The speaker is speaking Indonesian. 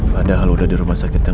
padahal udah di rumah sakit tadi